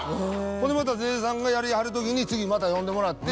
また瀬々さんがやりはる時に次また呼んでもらって。